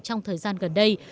trong thời gian gần đây